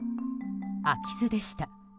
空き巣でした。